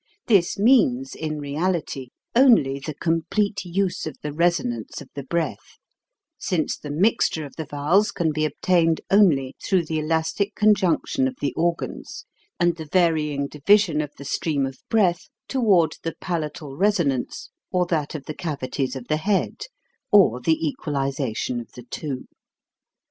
This means, in reality, only the complete use of the resonance of the breath, since the mixture of the vowels can be ob tained only through the elastic conjunction of the organs and the varying division of the stream of breath toward the palatal reso nance, or that of the cavities of the head, or the equalization of the two.